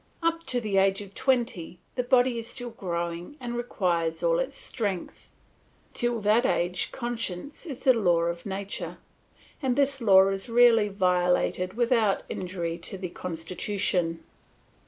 Up to the age of twenty, the body is still growing and requires all its strength; till that age continence is the law of nature, and this law is rarely violated without injury to the constitution.